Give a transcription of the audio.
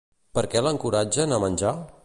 Per què l'encoratgen a menjar?